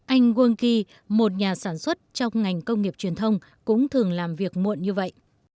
anh wang kyi một nhà sản xuất trong ngành công nghiệp truyền thông cũng thường làm việc muộn như vậy